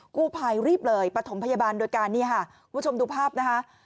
กู้ภัยรีบเลยประถมพยาบาลโดยการนี่ค่ะคุณผู้ชมดูภาพนะคะ